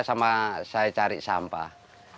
sama saya cari sampah